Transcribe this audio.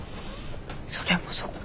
それもそっか。